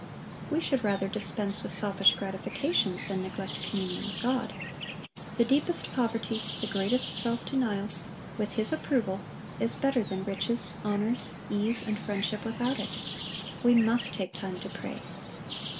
We should rather dispense with selfish gratifications than neglect communion with God. The deepest poverty, the greatest self denial, with His approval, is better than riches, honors, ease, and friendship without it. We must take time to pray.